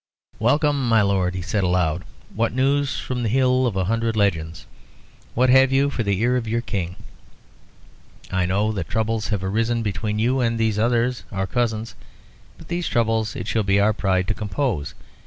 "Welcome, my Lord," he said aloud. "What news from the Hill of a Hundred Legends? What have you for the ear of your King? I know that troubles have arisen between you and these others, our cousins, but these troubles it shall be our pride to compose.